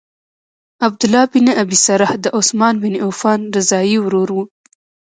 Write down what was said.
عبدالله بن ابی سرح د عثمان بن عفان رضاعی ورور وو.